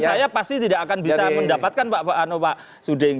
saya pasti tidak akan bisa mendapatkan pak suding